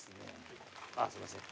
あっすいません。